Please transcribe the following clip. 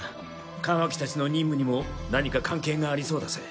カワキたちの任務にも何か関係がありそうだぜ。